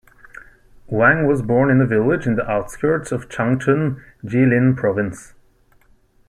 Wang was born in a village in the outskirts of Changchun, Jilin Province.